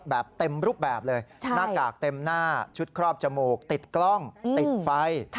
แบบเต็มรูปแบบเลยหน้ากากเต็มหน้าชุดครอบจมูกติดกล้องติดไฟ